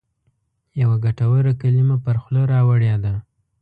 یوه ګټوره کلمه پر خوله راوړې ده.